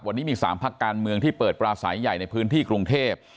วันนี้มี๓พักการเมืองที่เปิดปราศัยใหญ่ในพื้นที่กรุงเทพ